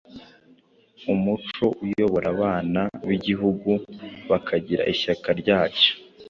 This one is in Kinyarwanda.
Umuco uyobora abana b'igihugu, bakagira ishyaka ryacyo